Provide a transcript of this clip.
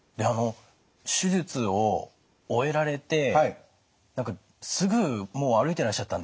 手術を終えられてすぐもう歩いてらっしゃったんですって？